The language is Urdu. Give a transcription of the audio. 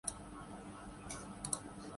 جہاں پودوں کی نشوونما کو بہتر بنانے